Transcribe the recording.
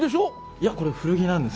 いやこれ古着なんですよ。